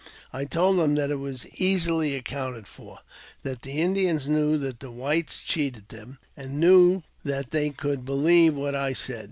I told him that it was easily accounted for ; that the Indians knew that the whites cheated them, and knew that they could beheve what I said.